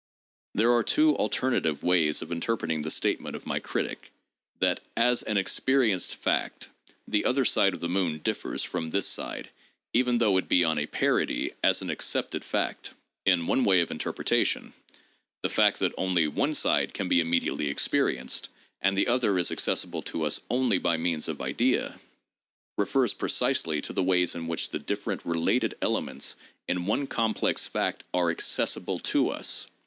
There are two alternative ways of interpreting the statement of my critic that "as an experienced fact" the other side of the moon differs from this side, even though it be on a parity "as an accepted fact." In one way of interpretation, the fact that "only one side can be immediately experienced, and the other is accessible to us only by means of idea," refers precisely to the ways in which the different related elements in one complex fact are accessible to us.